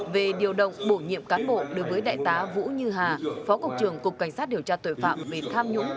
về điều động bổ nhiệm cán bộ đối với đại tá vũ như hà phó cục trưởng cục cảnh sát điều tra tội phạm về tham nhũng